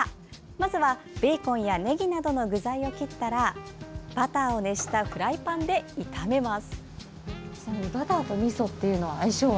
まずは、ベーコンやねぎなどの具材を切ったらバターを熱したフライパンで炒めます。